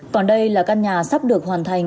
còn đây là căn nhà sắp được hoàn thành